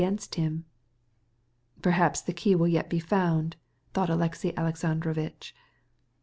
"But perhaps the key may yet be found," thought Alexey Alexandrovitch.